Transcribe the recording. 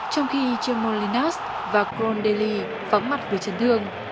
trong khi jean maurice linhas và krohn dehli vắng mặt vừa chấn thương